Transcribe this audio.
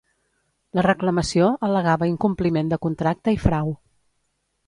La reclamació al·legava incompliment de contracte i frau.